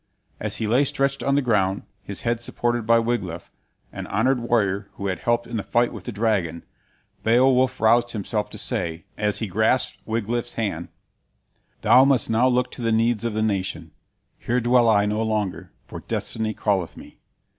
As he lay stretched on the ground, his head supported by Wiglaf, an honored warrior who had helped in the fight with the dragon, Beowulf roused himself to say, as he grasped Wiglaf's hand: "Thou must now look to the needs of the nation; Here dwell I no longer, for Destiny calleth me!